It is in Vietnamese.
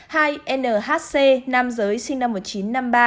hai nhc nam giới sinh năm một nghìn chín trăm năm mươi ba